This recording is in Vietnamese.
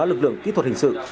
lực lượng kỹ thuật hình sự